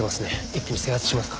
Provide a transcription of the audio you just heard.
一気に制圧しますか。